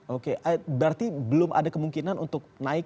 oke berarti belum ada kemungkinan untuk naik